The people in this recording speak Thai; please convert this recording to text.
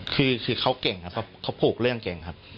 คือเขาเก่งครับเขาผูกเรื่องเก่งครับ